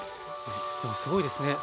でもすごいですね。